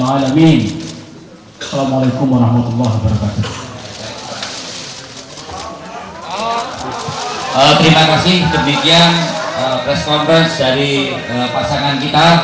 sekali lagi kami terima kasih